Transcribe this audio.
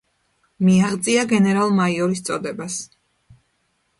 მიაღწია გენერალ-მაიორის წოდებას.